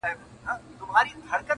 مرور نصیب به هله ورپخلا سي!